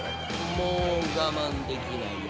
もう我慢できないよ。